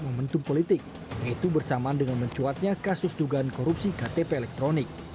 momentum politik yaitu bersamaan dengan mencuatnya kasus dugaan korupsi ktp elektronik